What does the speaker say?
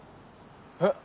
えっ！